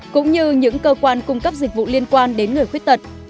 cũng như những cơ quan cung cấp dịch vụ liên quan đến người khuyết tật